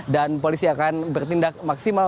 dan polisi akan bertindak maksimal